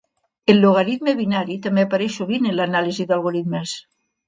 El logaritme binari també apareix sovint en l'anàlisi d'algorismes.